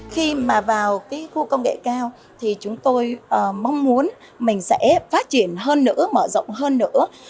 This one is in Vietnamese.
khi mà vào cái khu công nghệ cao thì chúng tôi mong muốn mình sẽ phát triển hơn nữa mở rộng hơn nữa